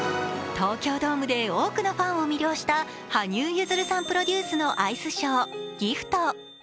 東京ドームで多くのファンを魅了した羽生結弦さんプロデュースのアイスショー「ＧＩＦＴ」。